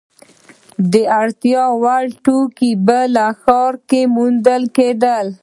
د اړتیا وړ توکي په ب ښار کې موندل کیدل.